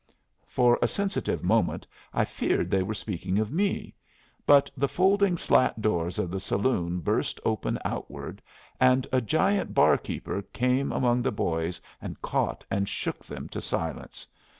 For a sensitive moment I feared they were speaking of me; but the folding slat doors of the saloon burst open outward, and a giant barkeeper came among the boys and caught and shook them to silence.